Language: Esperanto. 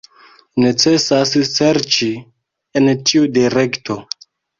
Necesas serĉi en tiu direkto.